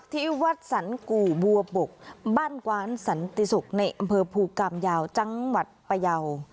ที่วัดสรรกู่บัวบกบ้านกว้านสันติศุกร์ในอำเภอภูกรรมยาวจังหวัดพยาว